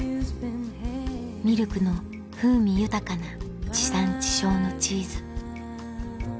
ミルクの風味豊かな地産地消のチーズ